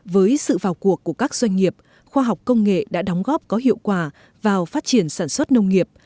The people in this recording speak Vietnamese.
với sự vào cuộc của các doanh nghiệp khoa học công nghệ đã đóng góp có hiệu quả vào phát triển sản xuất nông nghiệp